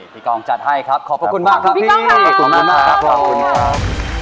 พี่กองจัดให้ครับขอบคุณมากพี่กองค่ะ